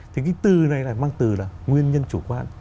thì cái từ này lại mang từ là nguyên nhân chủ quan